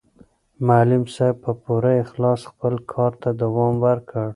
معلم صاحب په پوره اخلاص خپل کار ته دوام ورکړ.